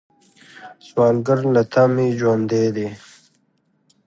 سوالګر له تمې ژوندی دی